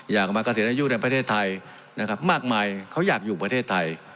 อยากมาเกษียณอายุในประเทศไทยนะครับมากมายเขาอยากอยู่ประเทศไทย